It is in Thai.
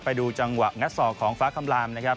ไปดูจังหวะงัดศอกของฟ้าคำลามนะครับ